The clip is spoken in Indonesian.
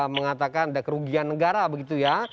mengatakan ada kerugian negara begitu ya